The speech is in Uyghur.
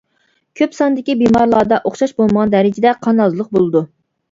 كۆپ ساندىكى بىمارلاردا ئوخشاش بولمىغان دەرىجىدە قان ئازلىق بولىدۇ.